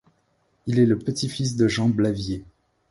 Il est le petit-fils de Jean Blavier.